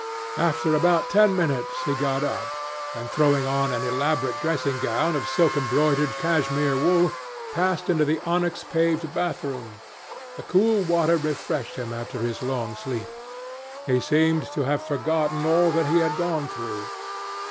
After about ten minutes he got up, and throwing on an elaborate dressing gown of silk embroidered cashmere wool, passed into the onyx paved bathroom. The cool water refreshed him after his long sleep. He seemed to have forgotten all that he had gone through.